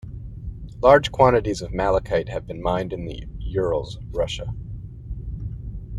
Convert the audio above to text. Large quantities of malachite have been mined in the Urals, Russia.